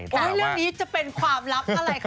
เรื่องนี้จะเป็นความลับอะไรคะ